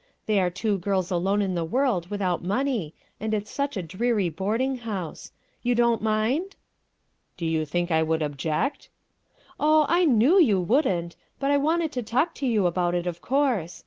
They are two girls alone in the world without money, and it's such a dreary boarding house. You don't mind?" '' Did you think I would object ?''" Oh, I knew you wouldn't, but I wanted to talk to you about it, of course.